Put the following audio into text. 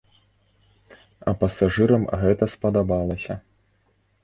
А пасажырам гэта спадабалася.